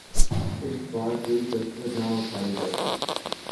اس بارے کوئی کسر نہ اٹھائی جاتی۔